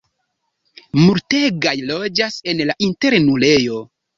Multegaj loĝas en la internulejo.